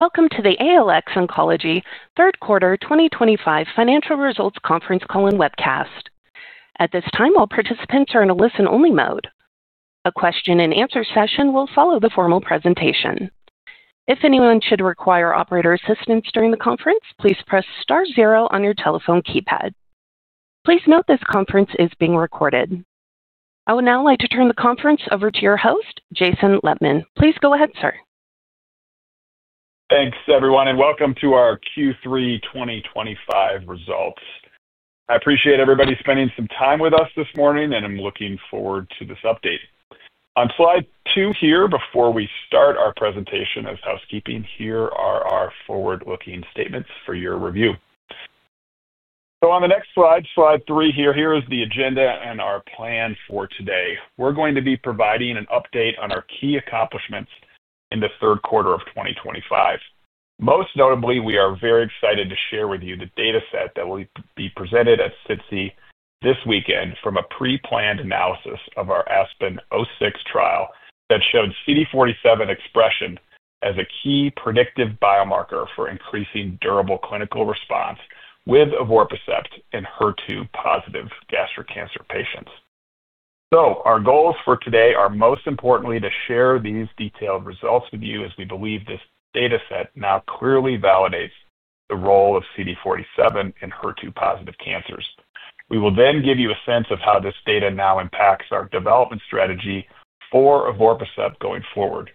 Welcome to the ALX Oncology Third Quarter 2025 Financial Results Conference Call and Webcast. At this time, all participants are in a listen-only mode. A question-and-answer session will follow the formal presentation. If anyone should require operator assistance during the conference, please press star zero on your telephone keypad. Please note this conference is being recorded. I would now like to turn the conference over to your host, Jason Lettmann. Please go ahead, sir. Thanks, everyone, and welcome to our Q3 2025 results. I appreciate everybody spending some time with us this morning, and I'm looking forward to this update. On slide two here, before we start our presentation as housekeeping, here are our forward-looking statements for your review. On the next slide, slide 3 here, here is the agenda and our plan for today. We're going to be providing an update on our key accomplishments in the third quarter of 2025. Most notably, we are very excited to share with you the dataset that will be presented at SITC this weekend from a pre-planned analysis of our ASPEN-06 trial that showed CD47 expression as a key predictive biomarker for increasing durable clinical response with evorpacept in HER2-positive gastric cancer patients. Our goals for today are most importantly to share these detailed results with you as we believe this dataset now clearly validates the role of CD47 in HER2-positive cancers. We will then give you a sense of how this data now impacts our development strategy for evorpacept going forward.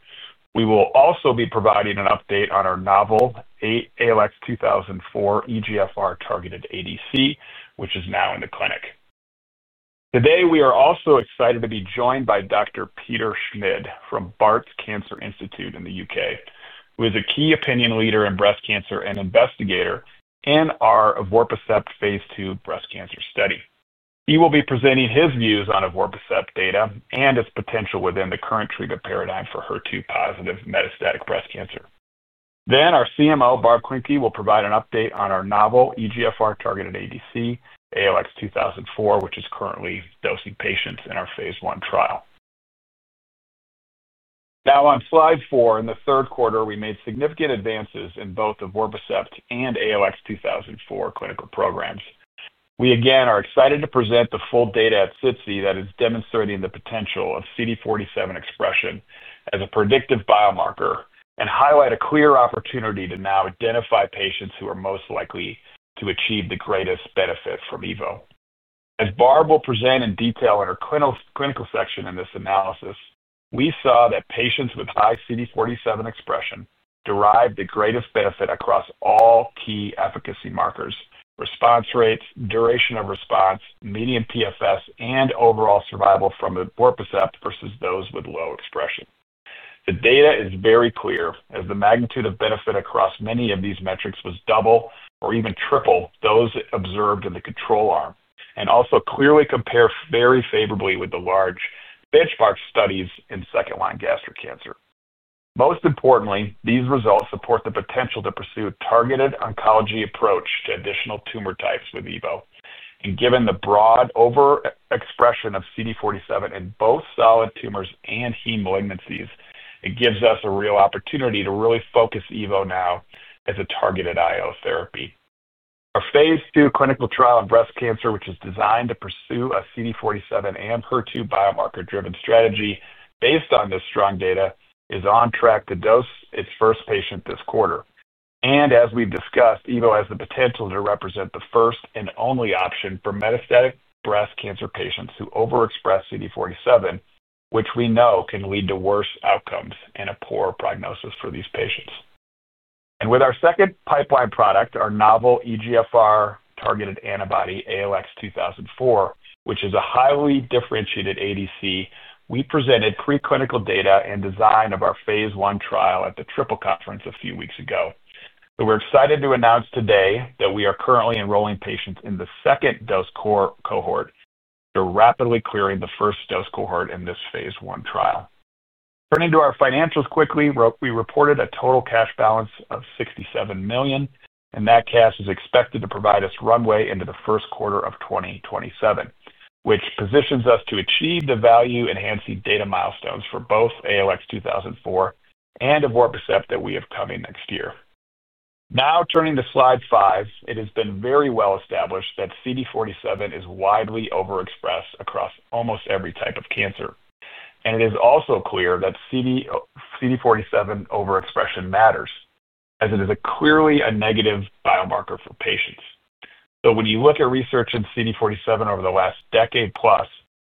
We will also be providing an update on our novel ALX-2004 EGFR-targeted ADC, which is now in the clinic. Today, we are also excited to be joined by Dr. Peter Schmid from Barts Cancer Institute in the U.K., who is a key opinion leader in breast cancer and investigator in our evorpacept phase II breast cancer study. He will be presenting his views on evorpacept data and its potential within the current treatment paradigm for HER2-positive metastatic breast cancer. Then our CMO, Barb Klencke will provide an update on our novel EGFR-targeted ADC, ALX-2004, which is currently dosing patients in our phase I trial. Now, on slide four, in the third quarter, we made significant advances in both evorpacept and ALX-2004 clinical programs. We again are excited to present the full data at SITC that is demonstrating the potential of CD47 expression as a predictive biomarker and highlight a clear opportunity to now identify patients who are most likely to achieve the greatest benefit from evo. As Barb will present in detail in her clinical section in this analysis, we saw that patients with high CD47 expression derived the greatest benefit across all key efficacy markers: response rates, duration of response, median PFS, and overall survival from evorpacept versus those with low expression. The data is very clear as the magnitude of benefit across many of these metrics was double or even triple those observed in the control arm, and also clearly compares very favorably with the large benchmark studies in second-line gastric cancer. Most importantly, these results support the potential to pursue a targeted oncology approach to additional tumor types with evo, and given the broad overexpression of CD47 in both solid tumors and heme malignancies, it gives us a real opportunity to really focus evo now as a targeted IL therapy. Our phase II clinical trial in breast cancer, which is designed to pursue a CD47 and HER2 biomarker-driven strategy based on this strong data, is on track to dose its first patient this quarter. As we've discussed, evo has the potential to represent the first and only option for metastatic breast cancer patients who overexpress CD47, which we know can lead to worse outcomes and a poor prognosis for these patients. With our second pipeline product, our novel EGFR-targeted antibody, ALX-2004, which is a highly differentiated ADC, we presented preclinical data and design of our phase I trial at the Triple Conference a few weeks ago. We're excited to announce today that we are currently enrolling patients in the second dose cohort, rapidly clearing the first dose cohort in this phase I trial. Turning to our financials quickly, we reported a total cash balance of $67 million, and that cash is expected to provide us runway into the first quarter of 2027, which positions us to achieve the value-enhancing data milestones for both ALX-2004 and evorpacept that we have coming next year. Now, turning to slide five, it has been very well established that CD47 is widely overexpressed across almost every type of cancer, and it is also clear that CD47 overexpression matters as it is clearly a negative biomarker for patients. When you look at research in CD47 over the last decade plus,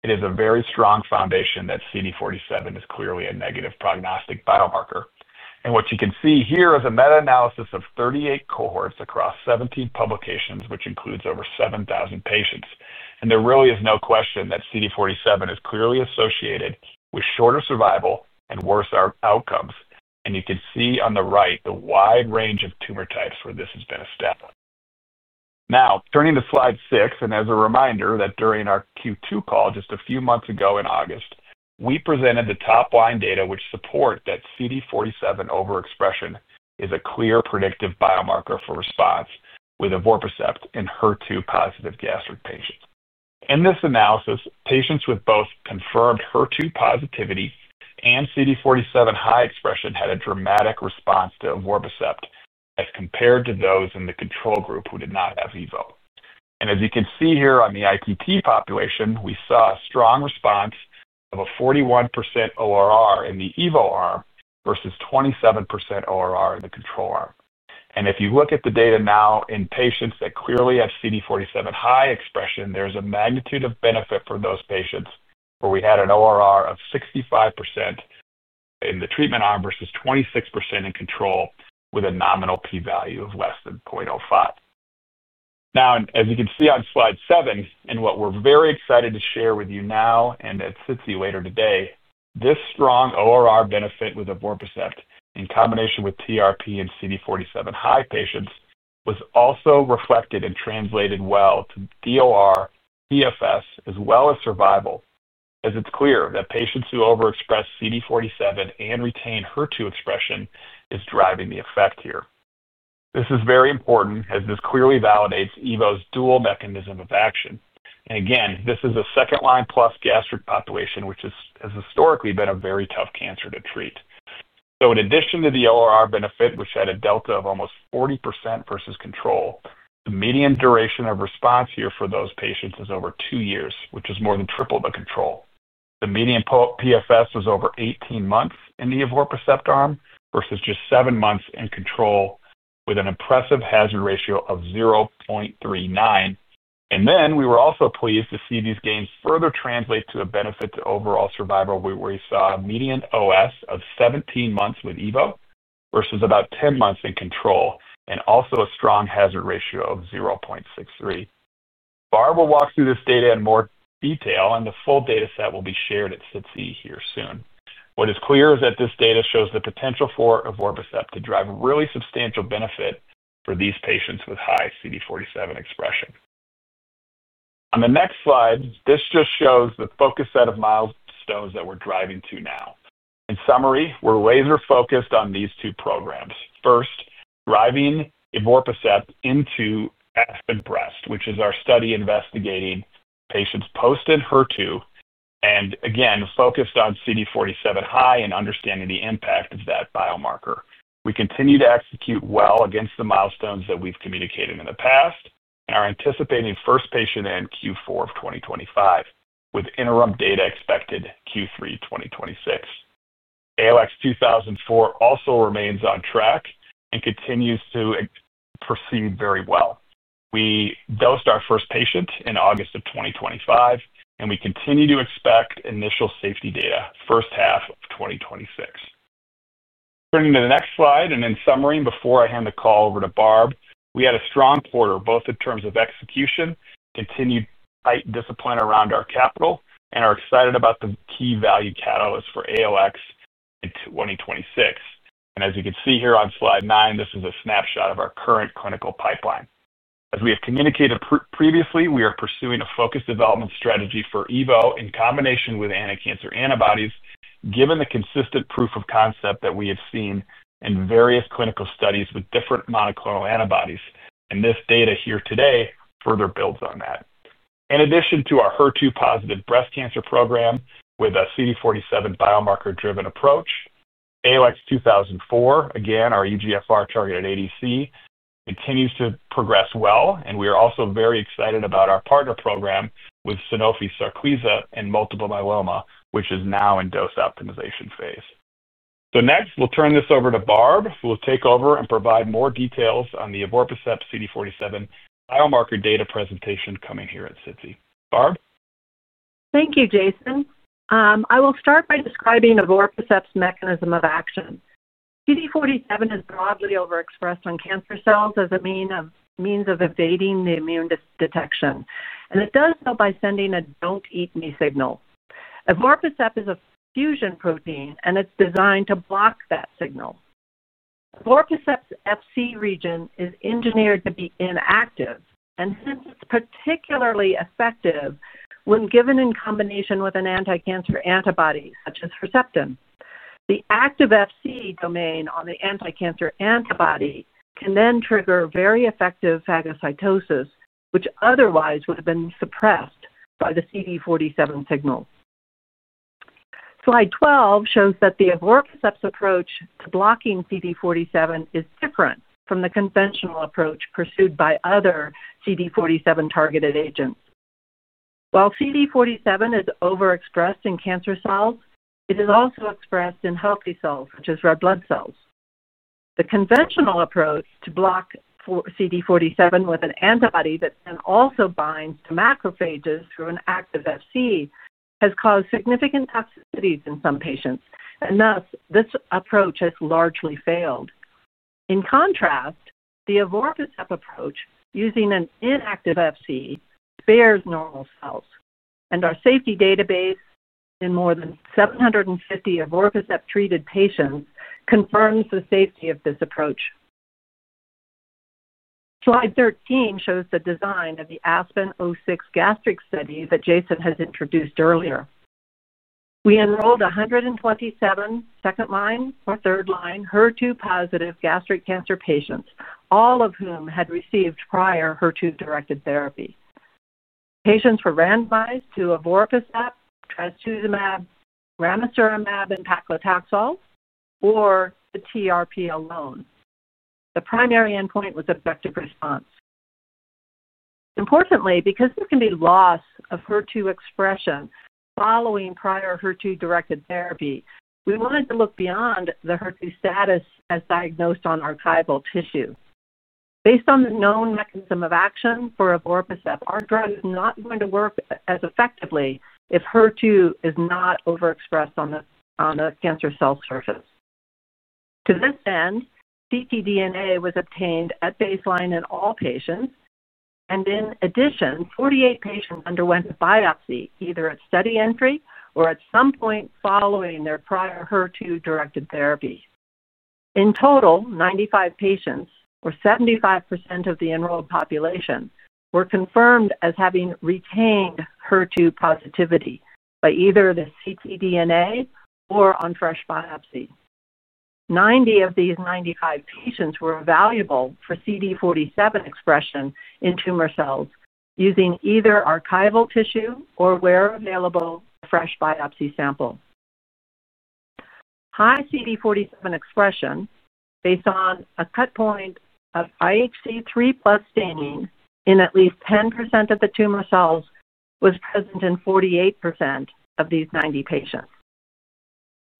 it is a very strong foundation that CD47 is clearly a negative prognostic biomarker. What you can see here is a meta-analysis of 38 cohorts across 17 publications, which includes over 7,000 patients. There really is no question that CD47 is clearly associated with shorter survival and worse outcomes, and you can see on the right the wide range of tumor types where this has been established. Now, turning to slide six, and as a reminder that during our Q2 call just a few months ago in August, we presented the top line data which support that CD47 overexpression is a clear predictive biomarker for response with evorpacept in HER2-positive gastric patients. In this analysis, patients with both confirmed HER2 positivity and CD47 high expression had a dramatic response to evorpacept as compared to those in the control group who did not have evo. As you can see here on the ITT population, we saw a strong response of a 41% ORR in the evo arm versus 27% ORR in the control arm. If you look at the data now in patients that clearly have CD47 high expression, there is a magnitude of benefit for those patients where we had an ORR of 65% in the treatment arm versus 26% in control with a nominal p-value of less than 0.05. As you can see on slide seven, and what we're very excited to share with you now and at SITC later today, this strong ORR benefit with evorpacept in combination with TRP in CD47 high patients was also reflected and translated well to DOR, PFS, as well as survival, as it's clear that patients who overexpress CD47 and retain HER2 expression is driving the effect here. This is very important as this clearly validates evo's dual mechanism of action. Again, this is a second-line plus gastric population, which has historically been a very tough cancer to treat. In addition to the ORR benefit, which had a delta of almost 40% versus control, the median duration of response here for those patients is over two years, which is more than triple the control. The median PFS was over 18 months in the evorpacept arm versus just seven months in control with an impressive hazard ratio of 0.39. We were also pleased to see these gains further translate to a benefit to overall survival where we saw a median OS of 17 months with evo versus about 10 months in control and also a strong hazard ratio of 0.63. Barb will walk through this data in more detail, and the full dataset will be shared at SITC here soon. What is clear is that this data shows the potential for evorpacept to drive really substantial benefit for these patients with high CD47 expression. On the next slide, this just shows the focus set of milestones that we're driving to now. In summary, we're laser-focused on these two programs. First, driving evorpacept into ASPEN-Breast, which is our study investigating patients post HER2 and again focused on CD47 high and understanding the impact of that biomarker. We continue to execute well against the milestones that we've communicated in the past and are anticipating first patient in Q4 of 2025 with interim data expected Q3 2026. ALX-2004 also remains on track and continues to proceed very well. We dosed our first patient in August 2025, and we continue to expect initial safety data first half of 2026. Turning to the next slide and in summary, before I hand the call over to Barb, we had a strong quarter both in terms of execution, continued tight discipline around our capital, and are excited about the key value catalyst for ALX in 2026. As you can see here on slide nine, this is a snapshot of our current clinical pipeline. As we have communicated previously, we are pursuing a focused development strategy for evo in combination with anticancer antibodies given the consistent proof of concept that we have seen in various clinical studies with different monoclonal antibodies, and this data here today further builds on that. In addition to our HER2-positive breast cancer program with a CD47 biomarker-driven approach, ALX-2004, again our EGFR-targeted ADC, continues to progress well, and we are also very excited about our partner program with Sanofi SARCLISA in multiple myeloma, which is now in dose optimization phase. Next, we'll turn this over to Barb, who will take over and provide more details on the evorpacept CD47 biomarker data presentation coming here at SITC. Barb? Thank you, Jason. I will start by describing evorpacept's mechanism of action. CD47 is broadly overexpressed on cancer cells as a means of evading the immune detection, and it does so by sending a don't-eat-me signal. Evorpacept is a fusion protein, and it's designed to block that signal. Evorpacept's Fc region is engineered to be inactive, and hence it's particularly effective when given in combination with an anticancer antibody such as Herceptin. The active Fc domain on the anticancer antibody can then trigger very effective phagocytosis, which otherwise would have been suppressed by the CD47 signal. Slide 12 shows that evorpacept's approach to blocking CD47 is different from the conventional approach pursued by other CD47-targeted agents. While CD47 is overexpressed in cancer cells, it is also expressed in healthy cells such as red blood cells. The conventional approach to block CD47 with an antibody that then also binds to macrophages through an active Fc has caused significant toxicities in some patients, and thus this approach has largely failed. In contrast, the evorpacept approach using an inactive Fc spares normal cells, and our safety database in more than 750 evorpacept-treated patients confirms the safety of this approach. Slide 13 shows the design of the ASPEN-06 gastric study that Jason has introduced earlier. We enrolled 127 second-line or third-line HER2-positive gastric cancer patients, all of whom had received prior HER2-directed therapy. Patients were randomized to evorpacept, trastuzumab, ramucirumab, and paclitaxel, or the TRP alone. The primary endpoint was objective response. Importantly, because there can be loss of HER2 expression following prior HER2-directed therapy, we wanted to look beyond the HER2 status as diagnosed on archival tissue. Based on the known mechanism of action for evorpacept, our drug is not going to work as effectively if HER2 is not overexpressed on the cancer cell surface. To this end, ctDNA was obtained at baseline in all patients, and in addition, 48 patients underwent biopsy either at study entry or at some point following their prior HER2-directed therapy. In total, 95 patients, or 75% of the enrolled population, were confirmed as having retained HER2 positivity by either the ctDNA or on fresh biopsy. Ninety of these 95 patients were evaluable for CD47 expression in tumor cells using either archival tissue or where available a fresh biopsy sample. High CD47 expression based on a cut point of IHC 3+ staining in at least 10% of the tumor cells was present in 48% of these 90 patients.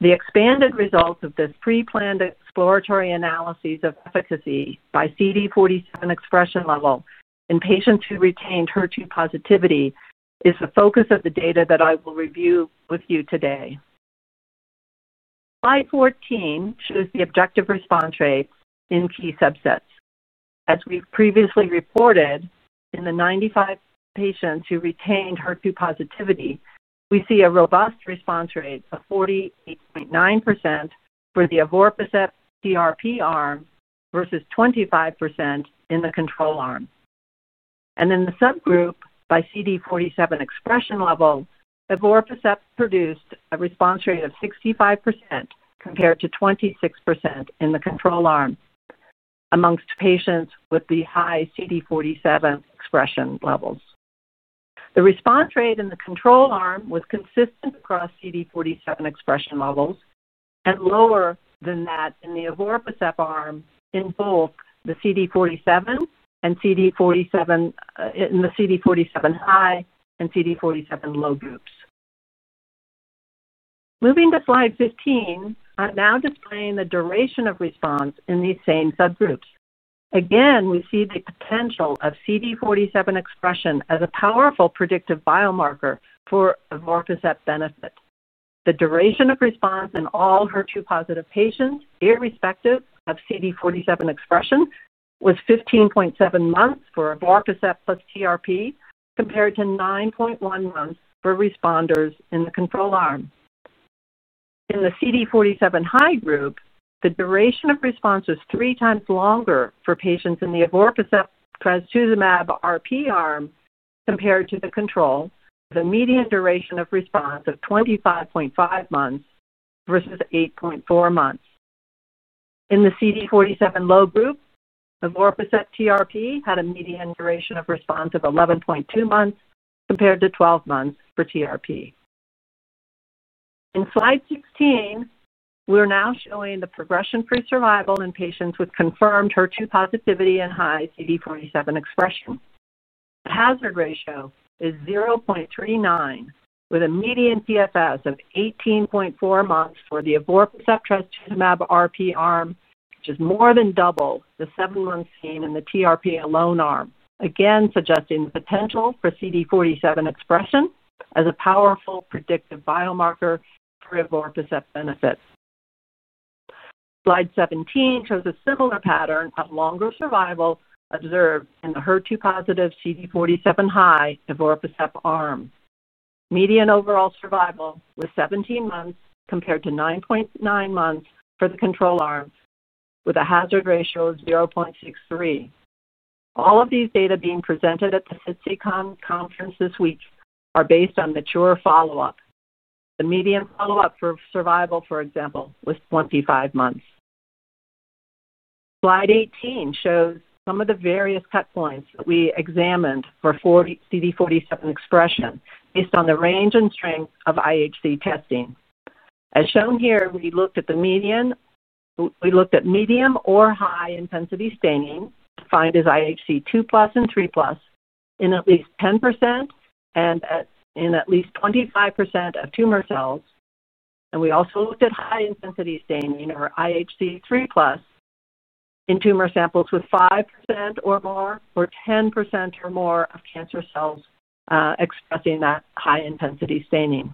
The expanded results of this pre-planned exploratory analysis of efficacy by CD47 expression level in patients who retained HER2 positivity is the focus of the data that I will review with you today. Slide 14 shows the objective response rates in key subsets. As we've previously reported, in the 95 patients who retained HER2 positivity, we see a robust response rate of 48.9% for the evorpacept TRP arm versus 25% in the control arm. In the subgroup by CD47 expression level, evorpacept produced a response rate of 65% compared to 26% in the control arm amongst patients with the high CD47 expression levels. The response rate in the control arm was consistent across CD47 expression levels and lower than that in the evorpacept arm in both the CD47 high and CD47 low groups. Moving to slide 15, I'm now displaying the duration of response in these same subgroups. Again, we see the potential of CD47 expression as a powerful predictive biomarker for evorpacept benefit. The duration of response in all HER2-positive patients irrespective of CD47 expression was 15.7 months for evorpacept plus TRP compared to 9.1 months for responders in the control arm. In the CD47 high group, the duration of response was three times longer for patients in the evorpacept trastuzumab RP arm compared to the control, with a median duration of response of 25.5 months versus 8.4 months. In the CD47 low group, evorpacept TRP had a median duration of response of 11.2 months compared to 12 months for TRP. In slide 16, we're now showing the progression-free survival in patients with confirmed HER2 positivity and high CD47 expression. The hazard ratio is 0.39, with a median PFS of 18.4 months for the evorpacept trastuzumab RP arm, which is more than double the seven months seen in the TRP alone arm, again suggesting the potential for CD47 expression as a powerful predictive biomarker for evorpacept benefit. Slide 17 shows a similar pattern of longer survival observed in the HER2-positive CD47 high evorpacept arm. Median overall survival was 17 months compared to 9.9 months for the control arm, with a hazard ratio of 0.63. All of these data being presented at the SITC Conference this week are based on mature follow-up. The median follow-up for survival, for example, was 25 months. Slide 18 shows some of the various cut points that we examined for CD47 expression based on the range and strength of IHC testing. As shown here, we looked at the median, we looked at medium or high-intensity staining defined as IHC 2+ and 3+ in at least 10% and in at least 25% of tumor cells. We also looked at high-intensity staining or IHC 3+ in tumor samples with 5% or more or 10% or more of cancer cells expressing that high-intensity staining.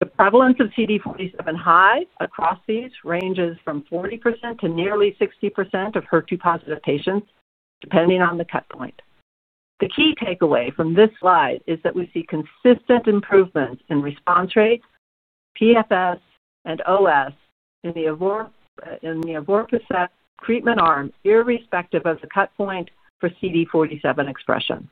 The prevalence of CD47 high across these ranges from 40% to nearly 60% of HER2-positive patients, depending on the cut point. The key takeaway from this slide is that we see consistent improvements in response rates, PFS, and OS in the evorpacept treatment arm irrespective of the cut point for CD47 expression.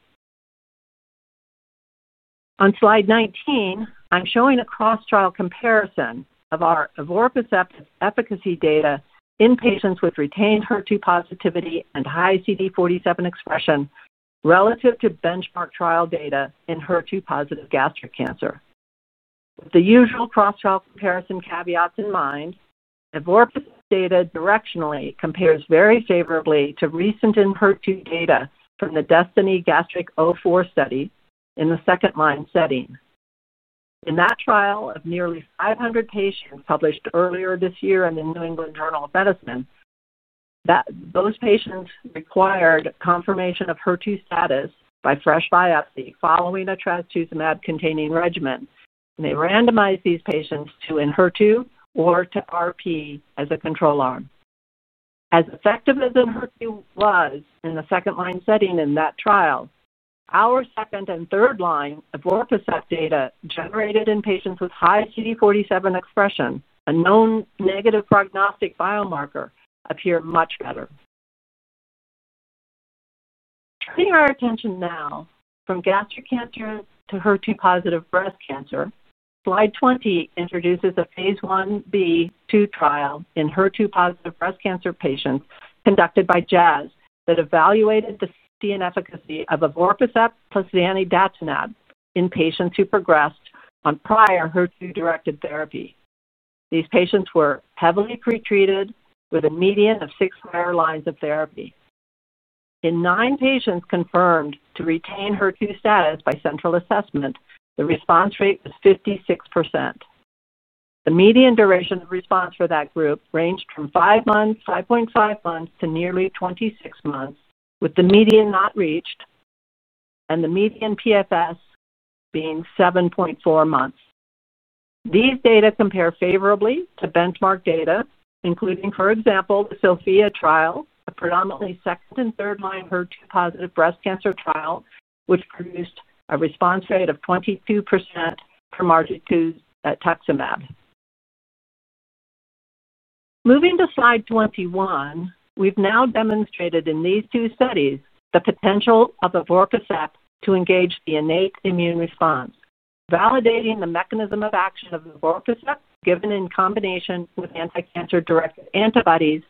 On slide 19, I'm showing a cross-trial comparison of our evorpacept efficacy data in patients with retained HER2 positivity and high CD47 expression relative to benchmark trial data in HER2-positive gastric cancer. With the usual cross-trial comparison caveats in mind, evorpacept data directionally compares very favorably to recent HER2 data from the DESTINY-Gastric04 study in the second-line setting. In that trial of nearly 500 patients published earlier this year in the New England Journal of Medicine, those patients required confirmation of HER2 status by fresh biopsy following a trastuzumab-containing regimen, and they randomized these patients to ENHERTU or to RP as a control arm. As effective as ENHERTU was in the second-line setting in that trial, our second and third-line evorpacept data generated in patients with high CD47 expression, a known negative prognostic biomarker, appear much better. Turning our attention now from gastric cancer to HER2-positive breast cancer, slide 20 introduces a phase I-B/II trial in HER2-positive breast cancer patients conducted by Jazz that evaluated the safety and efficacy of evorpacept plus zanidatamab in patients who progressed on prior HER2-directed therapy. These patients were heavily pretreated with a median of six prior lines of therapy. In nine patients confirmed to retain HER2 status by central assessment, the response rate was 56%. The median duration of response for that group ranged from 5 months, 5.5 months, to nearly 26 months, with the median not reached and the median PFS being 7.4 months. These data compare favorably to benchmark data, including, for example, the SOPHIA trial, a predominantly second and third-line HER2-positive breast cancer trial, which produced a response rate of 22% for margetuximab. Moving to slide 21, we've now demonstrated in these two studies the potential of evorpacept to engage the innate immune response, validating the mechanism of action of evorpacept given in combination with anticancer-directed antibodies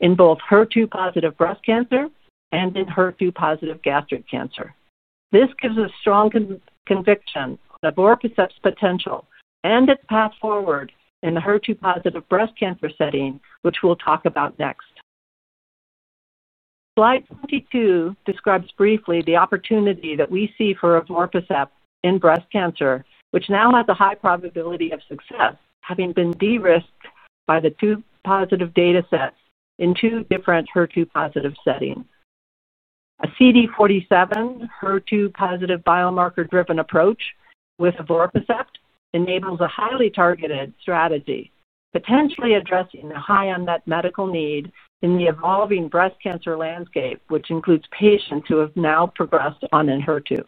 in both HER2-positive breast cancer and in HER2-positive gastric cancer. This gives a strong conviction of evorpacept's potential and its path forward in the HER2-positive breast cancer setting, which we'll talk about next. Slide 22 describes briefly the opportunity that we see for evorpacept in breast cancer, which now has a high probability of success, having been de-risked by the two positive data sets in two different HER2-positive settings. A CD47 HER2-positive biomarker-driven approach with evorpacept enables a highly targeted strategy, potentially addressing the high unmet medical need in the evolving breast cancer landscape, which includes patients who have now progressed on ENHERTU.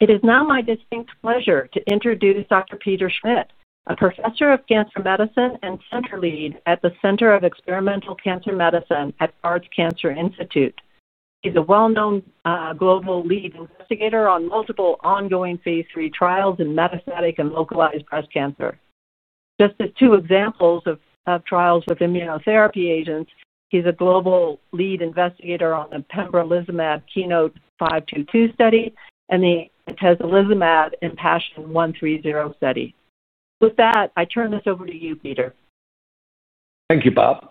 It is now my distinct pleasure to introduce Dr. Peter Schmidt, a professor of cancer medicine and center lead at the Center of Experimental Cancer Medicine at Barts Cancer Institute. He's a well-known global lead investigator on multiple ongoing phase III trials in metastatic and localized breast cancer. Just as two examples of trials with immunotherapy agents, he's a global lead investigator on the pembrolizumab KEYNOTE-522 study and the atezolizumab and IMpassion130 study. With that, I turn this over to you, Peter. Thank you, Barb.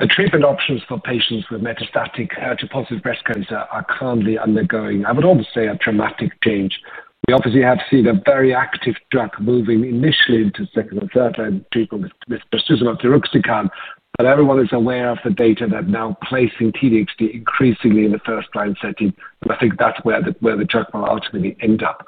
The treatment options for patients with metastatic HER2-positive breast cancer are currently undergoing, I would almost say, a dramatic change. We obviously have seen a very active drug moving initially into second and third-line treatment with trastuzumab deruxtecan, but everyone is aware of the data that now placing T-DXd increasingly in the first-line setting. I think that's where the drug will ultimately end up.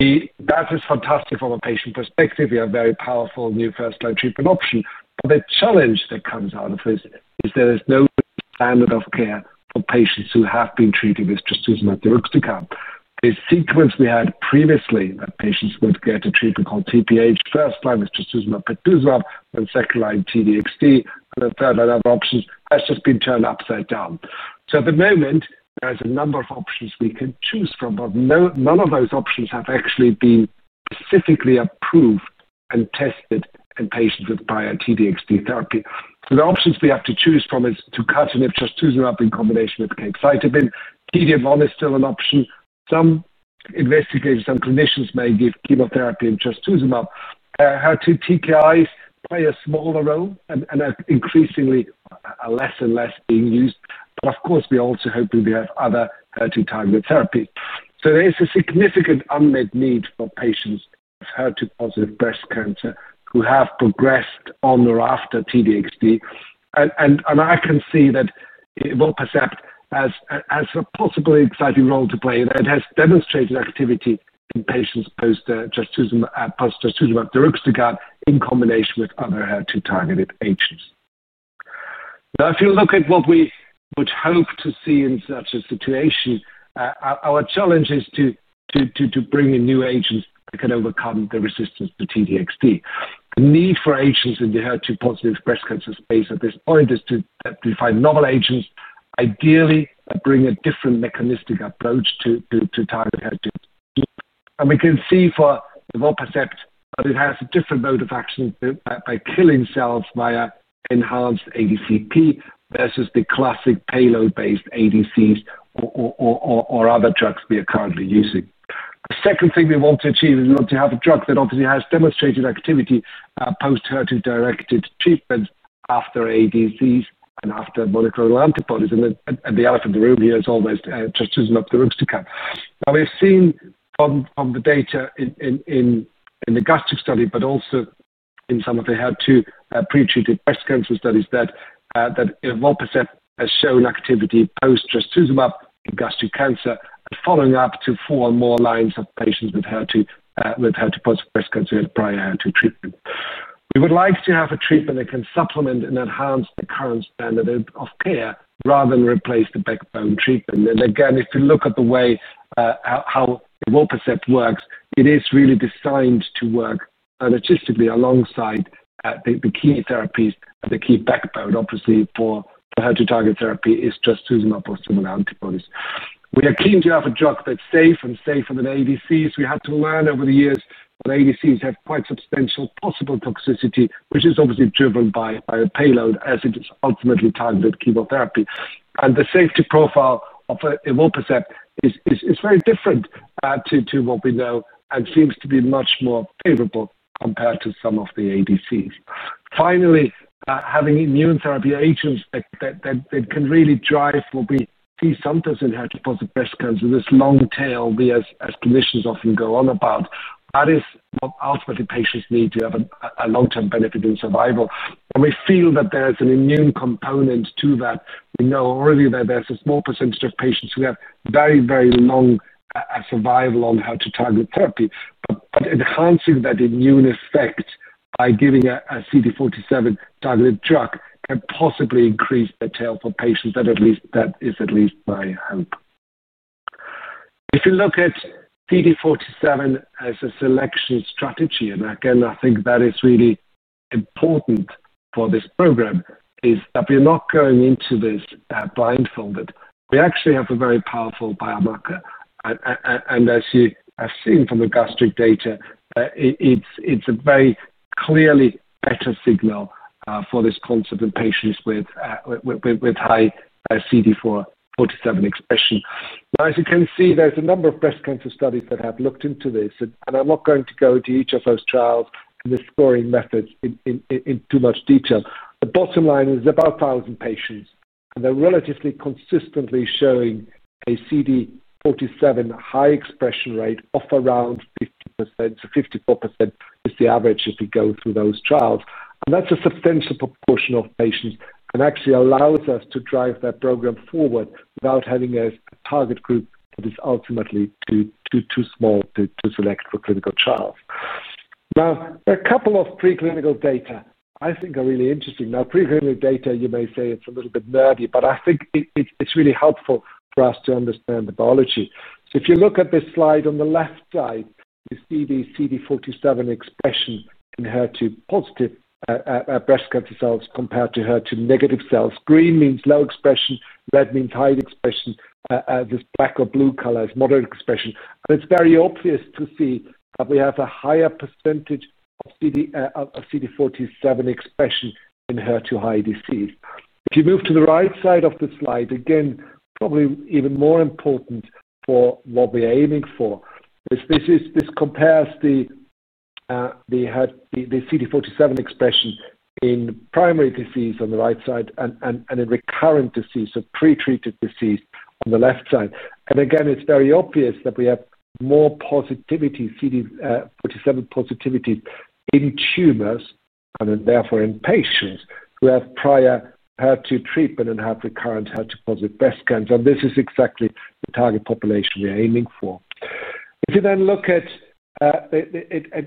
That is fantastic from a patient perspective. We have a very powerful new first-line treatment option. The challenge that comes out of this is there is no standard of care for patients who have been treated with trastuzumab deruxtecan. The sequence we had previously that patients would get a treatment called TPH, first-line with trastuzumab, pertuzumab, and second-line T-DXd, and the third-line other options, that's just been turned upside down. At the moment, there are a number of options we can choose from, but none of those options have actually been specifically approved and tested in patients with prior T-DXd therapy. The options we have to choose from are tucatinib with trastuzumab in combination with capecitabine. T-DM1 is still an option. Some investigators, some clinicians may give chemotherapy and trastuzumab. HER2-TKIs play a smaller role and are increasingly less and less being used. Of course, we're also hoping we have other HER2-targeted therapies. There is a significant unmet need for patients with HER2-positive breast cancer who have progressed on or after T-DXd. I can see that evorpacept has a possibly exciting role to play, and it has demonstrated activity in patients post trastuzumab deruxtecan in combination with other HER2-targeted agents. If you look at what we would hope to see in such a situation, our challenge is to bring in new agents that can overcome the resistance to T-DXd. The need for agents in the HER2-positive breast cancer space at this point is to find novel agents, ideally bring a different mechanistic approach to target HER2. We can see for evorpacept, it has a different mode of action by killing cells via enhanced ADCP versus the classic payload-based ADCs or other drugs we are currently using. The second thing we want to achieve is we want to have a drug that obviously has demonstrated activity post HER2-directed treatments after ADCs and after monoclonal antibodies. The elephant in the room here is always trastuzumab deruxtecan. Now, we've seen from the data in the gastric study, but also in some of the HER2 pretreated breast cancer studies, that evorpacept has shown activity post trastuzumab in gastric cancer and following up to four or more lines of patients with HER2-positive breast cancer who had prior HER2 treatment. We would like to have a treatment that can supplement and enhance the current standard of care rather than replace the backbone treatment. If you look at the way how evorpacept works, it is really designed to work synergistically alongside the key therapies and the key backbone, obviously, for HER2-targeted therapy is trastuzumab or similar antibodies. We are keen to have a drug that's safe and safe from the ADCs. We had to learn over the years that ADCs have quite substantial possible toxicity, which is obviously driven by the payload as it is ultimately targeted chemotherapy. The safety profile of evorpacept is very different to what we know and seems to be much more favorable compared to some of the ADCs. Finally, having immune therapy agents that can really drive what we see sometimes in HER2-positive breast cancer, this long tail as clinicians often go on about, that is what ultimately patients need to have a long-term benefit in survival. We feel that there is an immune component to that. We know already that there's a small percentage of patients who have very, very long survival on HER2-targeted therapy. Enhancing that immune effect by giving a CD47-targeted drug can possibly increase the tail for patients, at least that is at least my hope. If you look at CD47 as a selection strategy, and again, I think that is really important for this program, is that we're not going into this blindfolded. We actually have a very powerful biomarker. And as you have seen from the gastric data, it's a very clearly better signal for this concept in patients with high CD47 expression. Now, as you can see, there's a number of breast cancer studies that have looked into this. And I'm not going to go into each of those trials and the scoring methods in too much detail. The bottom line is about 1,000 patients. And they're relatively consistently showing a CD47 high expression rate of around 50%. Fifty-four percent is the average if you go through those trials. That is a substantial proportion of patients and actually allows us to drive that program forward without having a target group that is ultimately too small to select for clinical trials. There are a couple of preclinical data I think are really interesting. Preclinical data, you may say it is a little bit nerdy, but I think it is really helpful for us to understand the biology. If you look at this slide on the left side, you see the CD47 expression in HER2-positive breast cancer cells compared to HER2-negative cells. Green means low expression. Red means high expression. This black or blue color is moderate expression. It is very obvious to see that we have a higher percentage of CD47 expression in HER2-high DCs. If you move to the right side of the slide, again, probably even more important for what we're aiming for, is this compares the CD47 expression in primary disease on the right side and in recurrent disease, so pretreated disease, on the left side. Again, it's very obvious that we have more positivity, CD47 positivity in tumors and therefore in patients who have prior HER2 treatment and have recurrent HER2-positive breast cancer. This is exactly the target population we're aiming for. If you then look at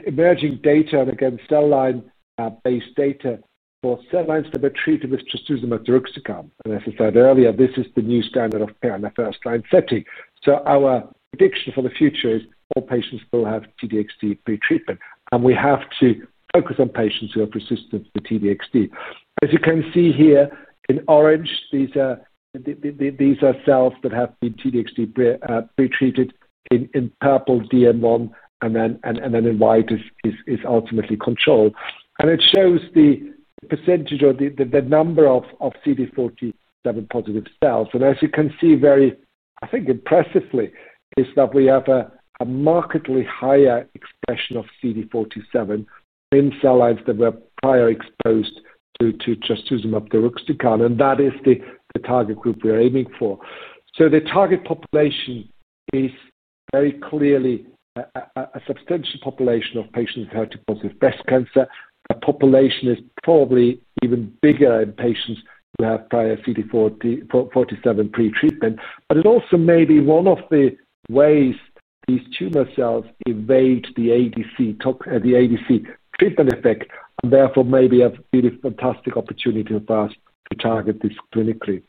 emerging data and again, cell line-based data for cell lines that were treated with trastuzumab deruxtecan. As I said earlier, this is the new standard of care in the first-line setting. Our prediction for the future is all patients will have T-DXd pretreatment. We have to focus on patients who have resistance to T-DXd. As you can see here in orange, these are cells that have been T-DXd pretreated, in purple, DM1, and then in white is ultimately control. It shows the percentage or the number of CD47 positive cells. As you can see, very, I think, impressively, is that we have a markedly higher expression of CD47 within cell lines that were prior exposed to trastuzumab deruxtecan. That is the target group we're aiming for. The target population is very clearly a substantial population of patients with HER2-positive breast cancer. The population is probably even bigger in patients who have prior CD47 pretreatment. It also may be one of the ways these tumor cells evade the ADC treatment effect and therefore maybe have a really fantastic opportunity for us to target this clinically.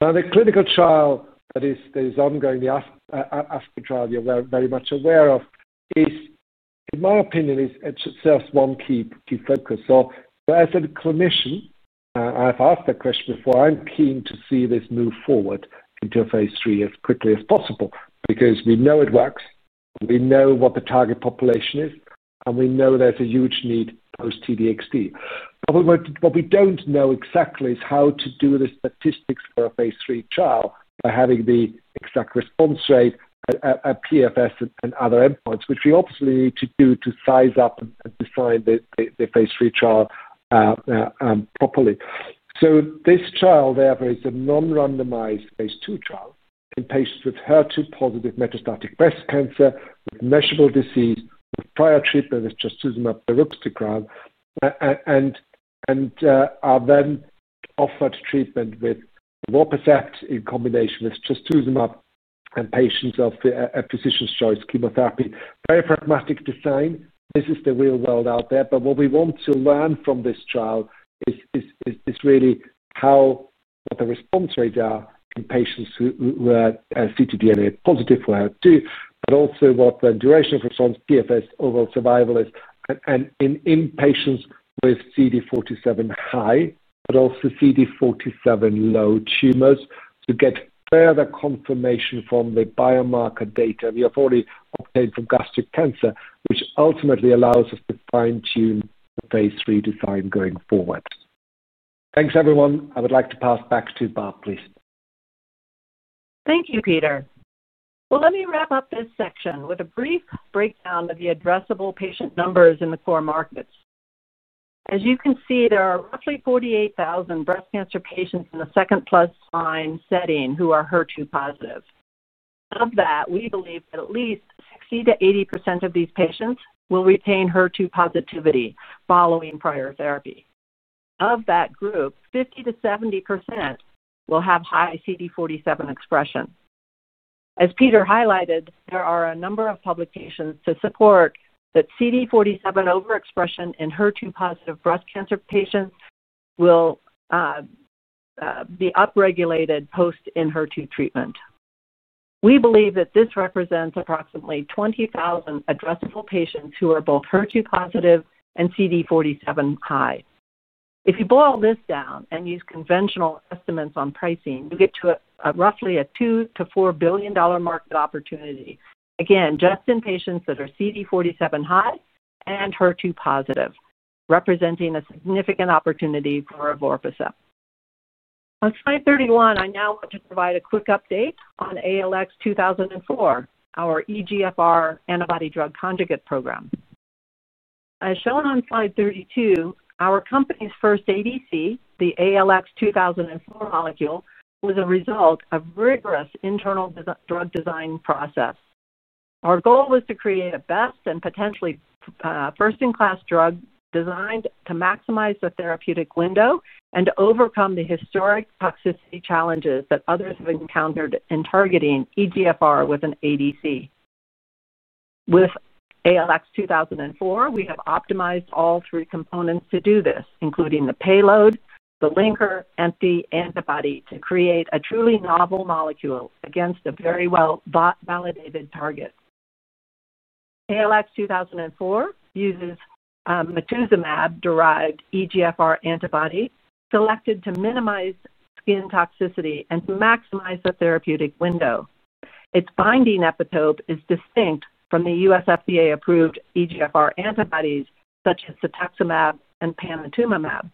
Now, the clinical trial that is ongoing, the ASPEN trial you're very much aware of, is in my opinion, it serves one key focus. As a clinician, I've asked that question before. I'm keen to see this move forward into a phase III as quickly as possible because we know it works. We know what the target population is. We know there's a huge need post T-DXd. What we don't know exactly is how to do the statistics for a phase III trial by having the exact response rate, PFS, and other endpoints, which we obviously need to do to size up and design the phase III trial properly. This trial, therefore, is a non-randomized phase II trial in patients with HER2-positive metastatic breast cancer with measurable disease with prior treatment with trastuzumab, duruxicab, and are then offered treatment with evorpacept in combination with trastuzumab and patients of physician's choice chemotherapy. Very pragmatic design. This is the real world out there. What we want to learn from this trial is really how the response rates are in patients who are ctDNA positive for HER2, but also what the duration of response, PFS, overall survival is in patients with CD47 high, but also CD47 low tumors to get further confirmation from the biomarker data we have already obtained from gastric cancer, which ultimately allows us to fine-tune the phase III design going forward. Thanks, everyone. I would like to pass back to Barb, please. Thank you, Peter. Let me wrap up this section with a brief breakdown of the addressable patient numbers in the core markets. As you can see, there are roughly 48,000 breast cancer patients in the second-plus-line setting who are HER2 positive. Of that, we believe that at least 60-80% of these patients will retain HER2 positivity following prior therapy. Of that group, 50-70% will have high CD47 expression. As Peter highlighted, there are a number of publications to support that CD47 overexpression in HER2-positive breast cancer patients will be upregulated post in HER2 treatment. We believe that this represents approximately 20,000 addressable patients who are both HER2 positive and CD47 high. If you boil this down and use conventional estimates on pricing, you get to roughly a $2 billion-$4 billion market opportunity. Again, just in patients that are CD47 high and HER2 positive, representing a significant opportunity for evorpacept. On slide 31, I now want to provide a quick update on ALX-2004, our EGFR antibody-drug conjugate program. As shown on slide 32, our company's first ADC, the ALX-2004 molecule, was a result of rigorous internal drug design process. Our goal was to create a best and potentially first-in-class drug designed to maximize the therapeutic window and to overcome the historic toxicity challenges that others have encountered in targeting EGFR with an ADC. With ALX-2004, we have optimized all three components to do this, including the payload, the linker, and the antibody to create a truly novel molecule against a very well-validated target. ALX-2004 uses metuzumab-derived EGFR antibody selected to minimize skin toxicity and to maximize the therapeutic window. Its binding epitope is distinct from the U.S. FDA-approved EGFR antibodies such as cetuximab and panitumumab.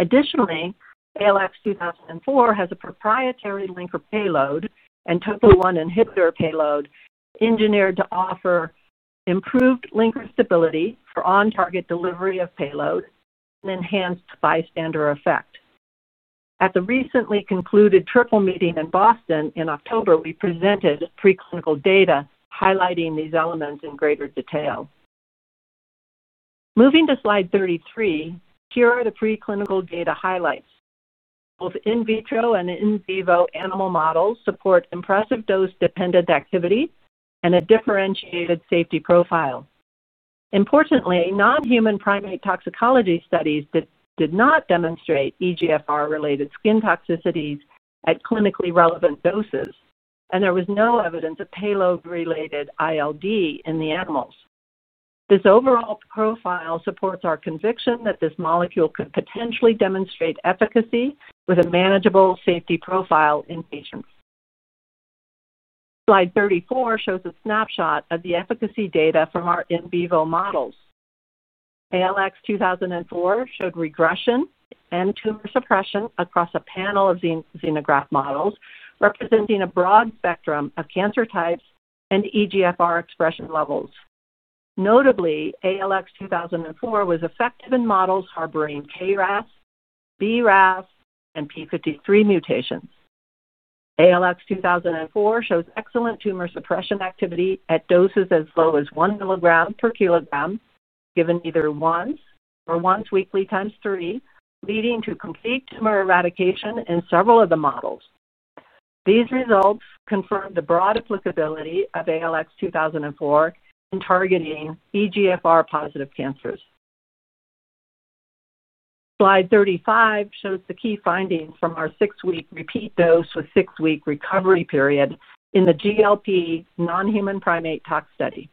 Additionally, ALX-2004 has a proprietary linker payload and total one inhibitor payload engineered to offer improved linker stability for on-target delivery of payload and enhanced bystander effect. At the recently concluded Triple Meeting in Boston in October, we presented preclinical data highlighting these elements in greater detail. Moving to slide 33, here are the preclinical data highlights. Both in vitro and in vivo animal models support impressive dose-dependent activity and a differentiated safety profile. Importantly, non-human primary toxicology studies did not demonstrate EGFR-related skin toxicities at clinically relevant doses. There was no evidence of payload-related ILD in the animals. This overall profile supports our conviction that this molecule could potentially demonstrate efficacy with a manageable safety profile in patients. Slide 34 shows a snapshot of the efficacy data from our in vivo models. ALX-2004 showed regression and tumor suppression across a panel of xenograft models representing a broad spectrum of cancer types and EGFR expression levels. Notably, ALX-2004 was effective in models harboring KRAS, BRAF, and p53 mutations. ALX-2004 shows excellent tumor suppression activity at doses as low as 1 mg per kg, given either once or once weekly times three, leading to complete tumor eradication in several of the models. These results confirm the broad applicability of ALX-2004 in targeting EGFR-positive cancers. Slide 35 shows the key findings from our six-week repeat dose with six-week recovery period in the GLP non-human primate tox study.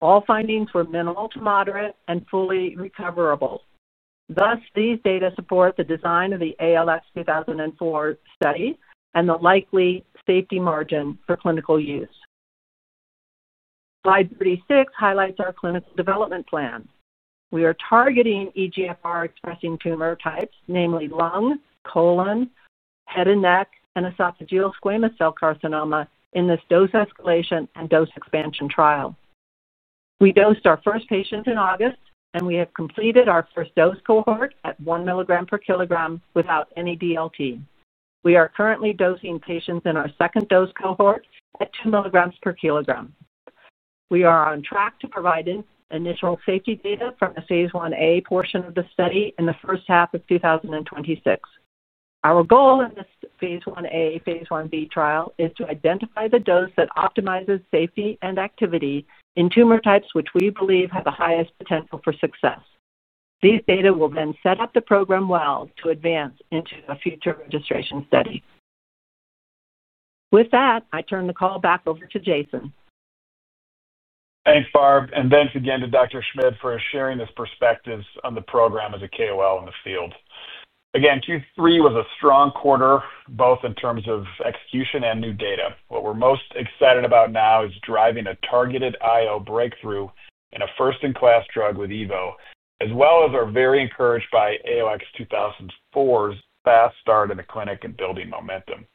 All findings were minimal to moderate and fully recoverable. Thus, these data support the design of the ALX-2004 study and the likely safety margin for clinical use. Slide 36 highlights our clinical development plan. We are targeting EGFR-expressing tumor types, namely lung, colon, head and neck, and esophageal squamous cell carcinoma in this dose escalation and dose expansion trial. We dosed our first patient in August, and we have completed our first dose cohort at 1 mg per kg without any DLT. We are currently dosing patients in our second dose cohort at 2 mg per kg. We are on track to provide initial safety data from the phase I-A portion of the study in the first half of 2026. Our goal in this phase I-A, phase I-B trial is to identify the dose that optimizes safety and activity in tumor types which we believe have the highest potential for success. These data will then set up the program well to advance into a future registration study. With that, I turn the call back over to Jason. Thanks, Barb. Thanks again to Dr. Schmid for sharing his perspectives on the program as a KOL in the field. Q3 was a strong quarter, both in terms of execution and new data. What we're most excited about now is driving a targeted IO breakthrough in a first-in-class drug with evo, as well as we are very encouraged by ALX-2004's fast start in the clinic and building momentum.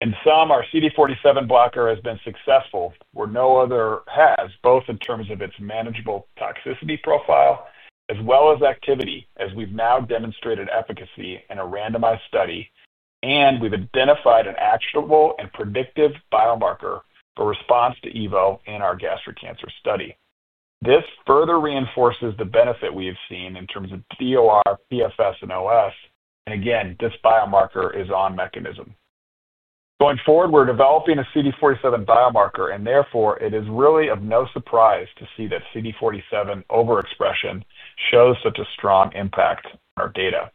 In sum, our CD47 blocker has been successful where no other has, both in terms of its manageable toxicity profile as well as activity, as we've now demonstrated efficacy in a randomized study. We've identified an actionable and predictive biomarker for response to evo in our gastric cancer study. This further reinforces the benefit we have seen in terms of DOR, PFS, and OS. This biomarker is on mechanism. Going forward, we're developing a CD47 biomarker. Therefore, it is really of no surprise to see that CD47 overexpression shows such a strong impact on our data.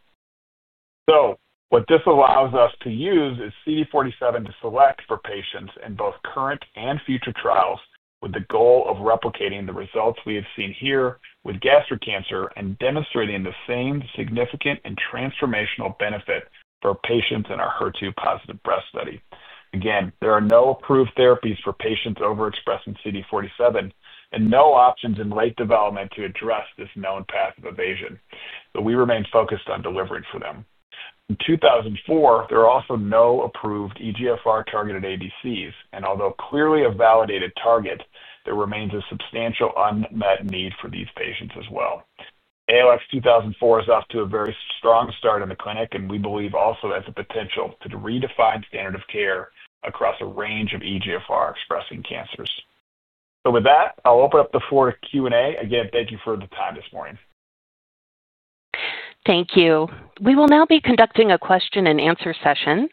What this allows us to use is CD47 to select for patients in both current and future trials with the goal of replicating the results we have seen here with gastric cancer and demonstrating the same significant and transformational benefit for patients in our HER2-positive breast study. Again, there are no approved therapies for patients overexpressing CD47 and no options in late development to address this known path of evasion. We remain focused on delivering for them. In 2004, there are also no approved EGFR-targeted ADCs. Although clearly a validated target, there remains a substantial unmet need for these patients as well. ALX-2004 is off to a very strong start in the clinic. We believe also has the potential to redefine standard of care across a range of EGFR-expressing cancers. With that, I'll open up the floor to Q&A. Again, thank you for the time this morning. Thank you. We will now be conducting a question-and-answer session.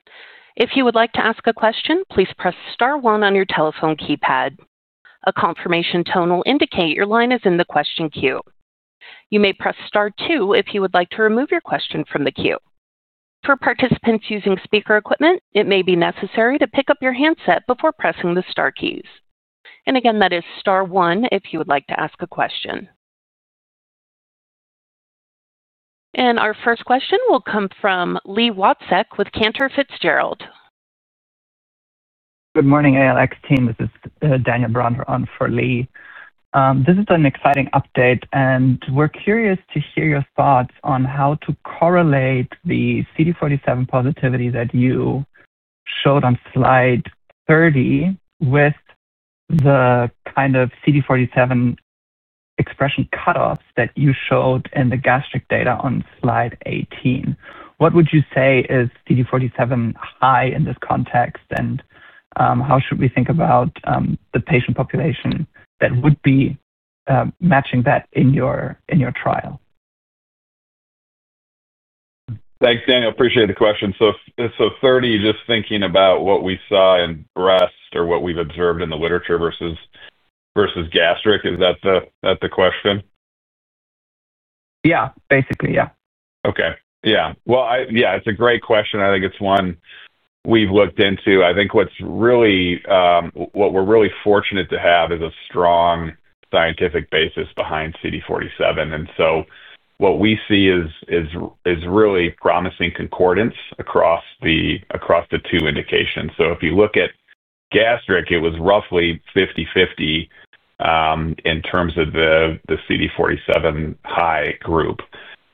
If you would like to ask a question, please press star one on your telephone keypad. A confirmation tone will indicate your line is in the question queue. You may press star two if you would like to remove your question from the queue. For participants using speaker equipment, it may be necessary to pick up your handset before pressing the star keys. Again, that is star one if you would like to ask a question. Our first question will come from Li Watsek with Cantor Fitzgerald. Good morning, ALX team. This is Daniel Bronder on for Li. This is an exciting update. We're curious to hear your thoughts on how to correlate the CD47 positivity that you showed on slide 30 with the kind of CD47 expression cutoffs that you showed in the gastric data on slide 18. What would you say is CD47 high in this context? How should we think about the patient population that would be matching that in your trial? Thanks, Daniel. Appreciate the question. So 30, just thinking about what we saw in breast or what we've observed in the literature versus gastric, is that the question? Yeah, basically, yeah. Okay. Yeah. It's a great question. I think it's one we've looked into. I think what we're really fortunate to have is a strong scientific basis behind CD47. What we see is really promising concordance across the two indications. If you look at gastric, it was roughly 50-50 in terms of the CD47 high group.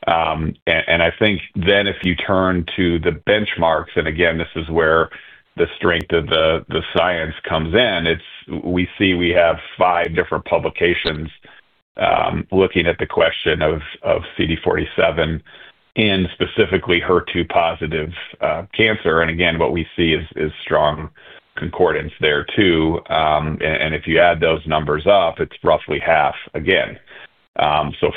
I think then if you turn to the benchmarks, and again, this is where the strength of the science comes in, we see we have five different publications looking at the question of CD47 and specifically HER2 positive cancer. Again, what we see is strong concordance there too. If you add those numbers up, it's roughly half again.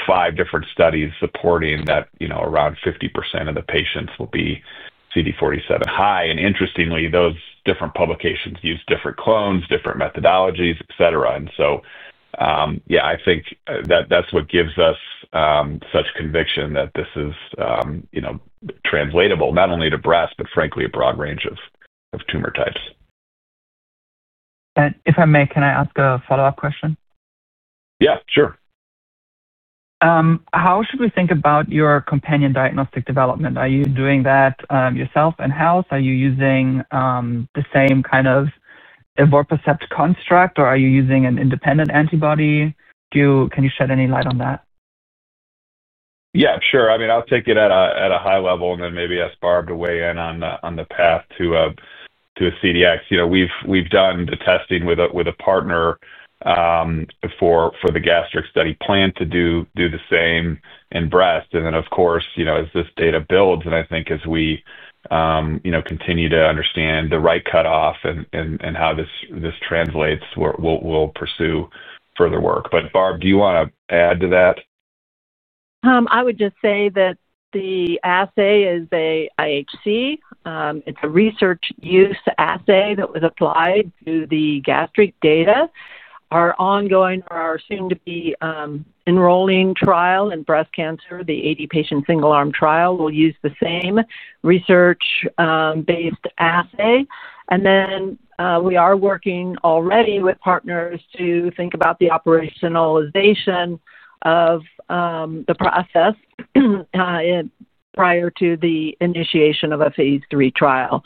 Five different studies supporting that around 50% of the patients will be CD47 high. Interestingly, those different publications use different clones, different methodologies, etc. I think that's what gives us such conviction that this is translatable not only to breast, but frankly, a broad range of tumor types. If I may, can I ask a follow-up question? Yeah, sure. How should we think about your companion diagnostic development? Are you doing that yourself in-house? Are you using the same kind of evorpacept construct, or are you using an independent antibody? Can you shed any light on that? Yeah, sure. I mean, I'll take it at a high level and then maybe ask Barb to weigh in on the path to a CDX. We've done the testing with a partner for the gastric study, planned to do the same in breast. Of course, as this data builds, and I think as we continue to understand the right cutoff and how this translates, we'll pursue further work. Barb, do you want to add to that? I would just say that the assay is an IHC. It's a research-use assay that was applied to the gastric data. Our ongoing or our soon-to-be enrolling trial in breast cancer, the 80-patient single-arm trial, will use the same research-based assay. We are working already with partners to think about the operationalization of the process prior to the initiation of a phase III trial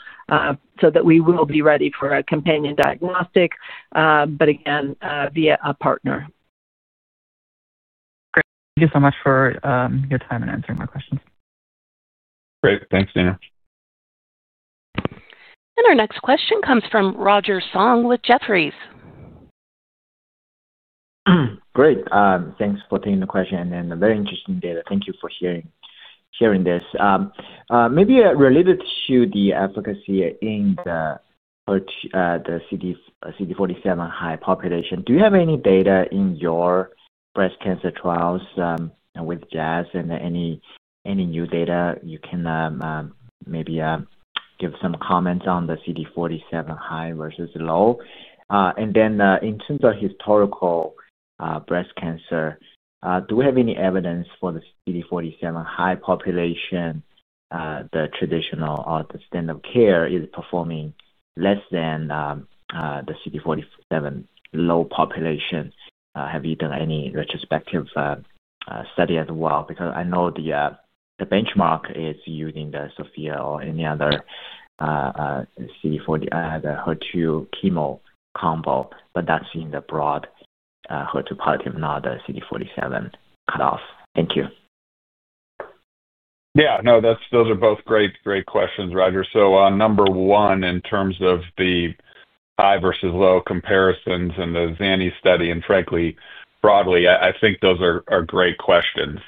so that we will be ready for a companion diagnostic, but again, via a partner. Great. Thank you so much for your time and answering my questions. Great. Thanks, Daniel. Our next question comes from Roger Song with Jefferies. Great. Thanks for taking the question. A very interesting data. Thank you for sharing this. Maybe related to the efficacy in the CD47 high population, do you have any data in your breast cancer trials with Jazz and any new data you can maybe give some comments on the CD47 high versus low? In terms of historical breast cancer, do we have any evidence for the CD47 high population, the traditional or the standard of care is performing less than the CD47 low population? Have you done any retrospective study as well? Because I know the benchmark is using the SOPHIA or any other CD47 HER2 chemo combo, but that's in the broad HER2 positive, not the CD47 cutoff. Thank you. Yeah. No, those are both great, great questions, Roger. Number one, in terms of the high versus low comparisons and the zani study and frankly, broadly, I think those are great questions.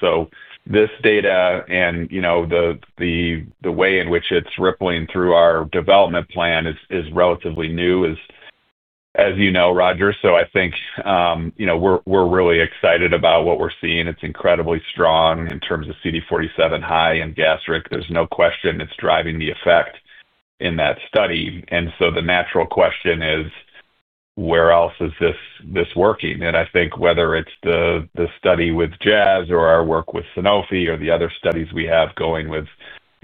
This data and the way in which it's rippling through our development plan is relatively new, as you know, Roger. I think we're really excited about what we're seeing. It's incredibly strong in terms of CD47 high and gastric. There's no question it's driving the effect in that study. The natural question is, where else is this working? I think whether it's the study with Jazz or our work with Sanofi or the other studies we have going with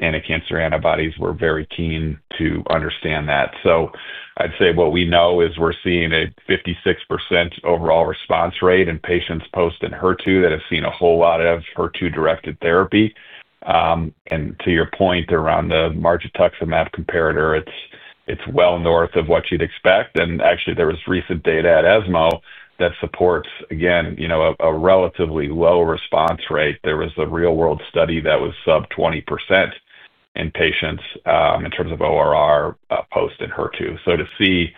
anticancer antibodies, we're very keen to understand that. I'd say what we know is we're seeing a 56% overall response rate in patients post ENHERTU that have seen a whole lot of HER2-directed therapy. To your point around the margetuximab comparator, it's well north of what you'd expect. Actually, there was recent data at ESMO that supports, again, a relatively low response rate. There was a real-world study that was sub-20% in patients in terms of ORR post ENHERTU. To see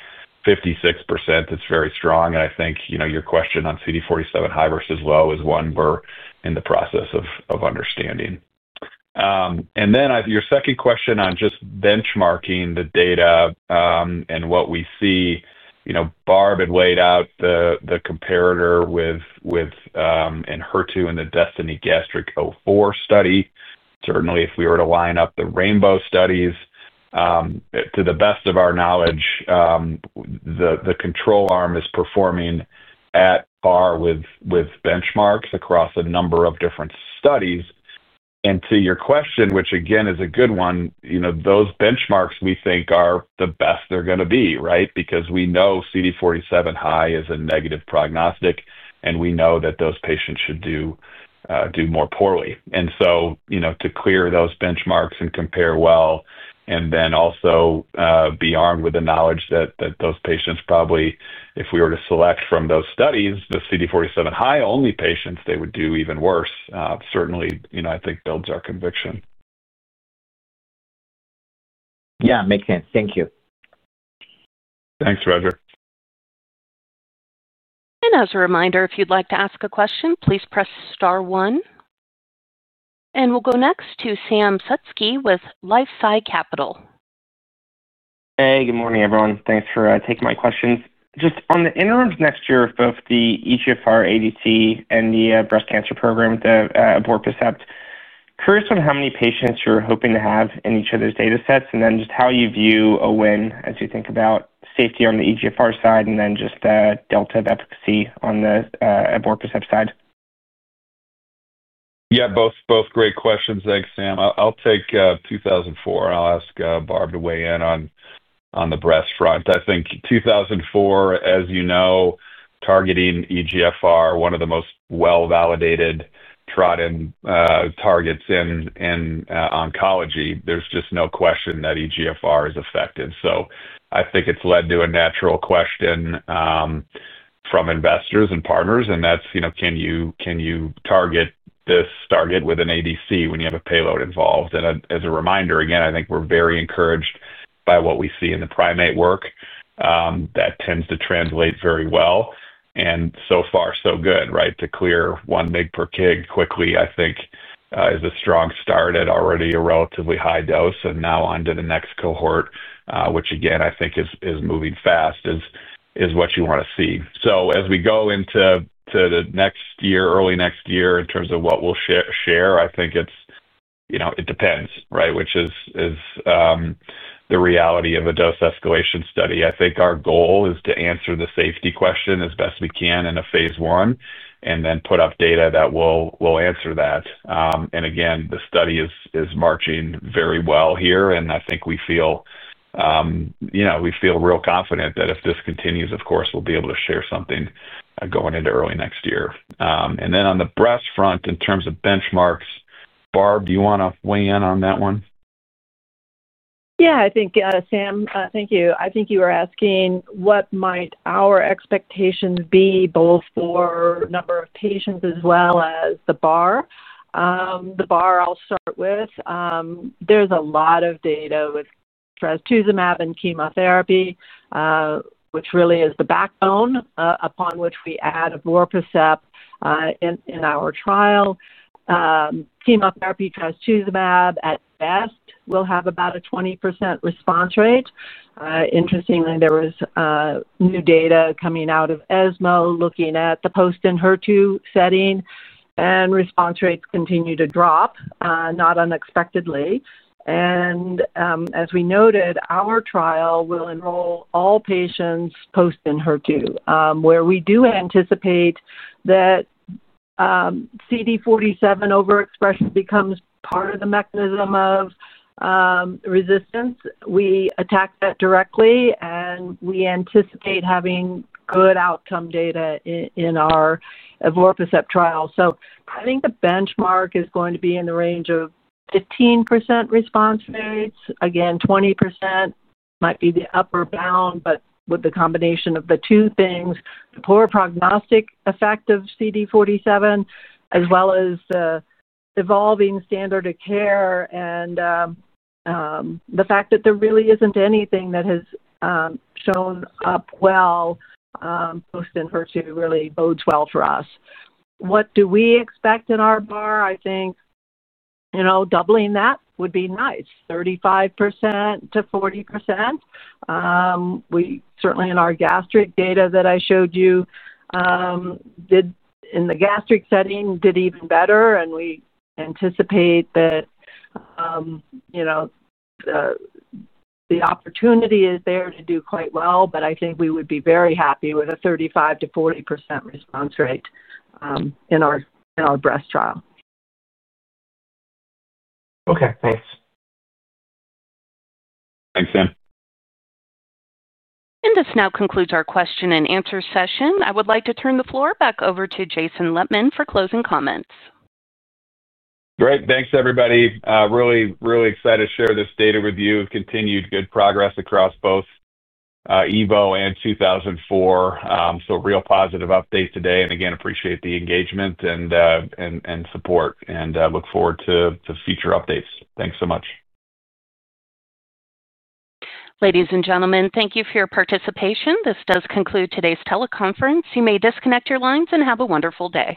56%, it's very strong. I think your question on CD47 high versus low is one we're in the process of understanding. Your second question on just benchmarking the data and what we see, Barb had weighed out the comparator in HER2 and the DESTINY-Gastric04 study. Certainly, if we were to line up the rainbow studies, to the best of our knowledge, the control arm is performing at par with benchmarks across a number of different studies. To your question, which again is a good one, those benchmarks we think are the best they're going to be, right? Because we know CD47 high is a negative prognostic, and we know that those patients should do more poorly. To clear those benchmarks and compare well, and then also be armed with the knowledge that those patients probably, if we were to select from those studies, the CD47 high-only patients, they would do even worse. Certainly, I think builds our conviction. Yeah, makes sense. Thank you. Thanks, Roger. As a reminder, if you'd like to ask a question, please press star one. We'll go next to Sam Slutsky with LifeSci Capital. Hey, good morning, everyone. Thanks for taking my questions. Just on the interim next year of both the EGFR ADC and the breast cancer program with evorpacept, curious on how many patients you're hoping to have in each of those data sets and then just how you view a win as you think about safety on the EGFR side and then just the delta of efficacy on the evorpacept side. Yeah, both great questions. Thanks, Sam. I'll take 2004, and I'll ask Barb to weigh in on the breast front. I think 2004, as you know, targeting EGFR, one of the most well-validated trodden targets in oncology. There's just no question that EGFR is effective. I think it's led to a natural question from investors and partners. That's, can you target this target with an ADC when you have a payload involved? As a reminder, again, I think we're very encouraged by what we see in the primate work. That tends to translate very well. So far, so good, right? To clear one mg per kg quickly, I think, is a strong start at already a relatively high dose. Now on to the next cohort, which again, I think is moving fast, is what you want to see. As we go into the next year, early next year, in terms of what we'll share, I think it depends, right? Which is the reality of a dose escalation study. I think our goal is to answer the safety question as best we can in a phase I and then put up data that will answer that. Again, the study is marching very well here. I think we feel real confident that if this continues, of course, we'll be able to share something going into early next year. On the breast front, in terms of benchmarks, Barb, do you want to weigh in on that one? Yeah, I think, Sam, thank you. I think you were asking what might our expectations be both for number of patients as well as the bar. The bar I'll start with, there's a lot of data with trastuzumab and chemotherapy, which really is the backbone upon which we add evorpacept in our trial. Chemotherapy trastuzumab at best will have about a 20% response rate. Interestingly, there was new data coming out of ESMO looking at the post-ENHERTU setting, and response rates continue to drop, not unexpectedly. As we noted, our trial will enroll all patients post-ENHERTU, where we do anticipate that CD47 overexpression becomes part of the mechanism of resistance. We attack that directly, and we anticipate having good outcome data in our evorpacept trial. I think the benchmark is going to be in the range of 15% response rates. Again, 20% might be the upper bound, but with the combination of the two things, the poor prognostic effect of CD47, as well as the evolving standard of care and the fact that there really is not anything that has shown up well post and HER2 really bodes well for us. What do we expect in our bar? I think doubling that would be nice, 35%-40%. Certainly, in our gastric data that I showed you in the gastric setting, did even better. We anticipate that the opportunity is there to do quite well, but I think we would be very happy with a 35%-40% response rate in our breast trial. Okay. Thanks. Thanks, Sam. This now concludes our question and answer session. I would like to turn the floor back over to Jason Lettmann for closing comments. Great. Thanks, everybody. Really, really excited to share this data with you. Continued good progress across both evo and 2004. Real positive update today. Again, appreciate the engagement and support and look forward to future updates. Thanks so much. Ladies and gentlemen, thank you for your participation. This does conclude today's teleconference. You may disconnect your lines and have a wonderful day.